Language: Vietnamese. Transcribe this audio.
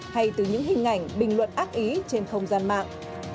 hay từ những hình ảnh bình luận ác ý trên không gian mạng